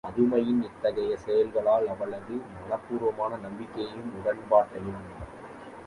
பதுமையின் இத்தகைய செயல்களால் அவளது மனப்பூர்வமான நம்பிக்கையையும் உடன்பாட்டையும் யாப்பியாயினி அறிந்து கொண்டாள்.